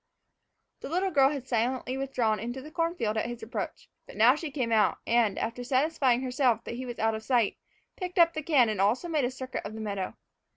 The little girl had silently withdrawn into the corn field at his approach, but now she came out and, after satisfying herself that he was out of sight, picked up the can and also made a circuit of the meadow.